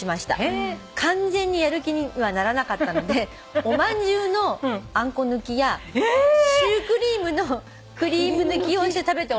「完全にやる気にはならなかったのでおまんじゅうのあんこ抜きやシュークリームのクリーム抜きをして食べております」